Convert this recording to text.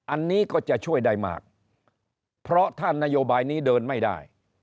อันนี้ก็จะช่วยได้มากเพราะถ้านโยบายนี้เดินไม่ได้